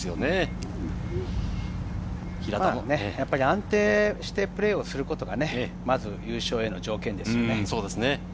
安定してプレーをすることがまず優勝への条件ですから。